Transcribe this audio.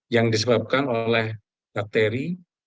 yang disebabkan oleh bakteri